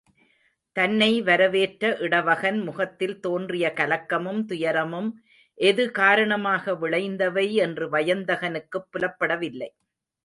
தன்னை வரவேற்ற இடவகன் முகத்தில் தோன்றிய கலக்கமும் துயரமும், எது காரணமாக விளைந்தவை என்று வயந்தகனுக்குப் புலப்பட வில்லை.